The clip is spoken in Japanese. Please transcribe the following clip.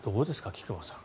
菊間さん。